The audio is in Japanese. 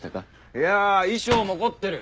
いや衣装も凝ってる。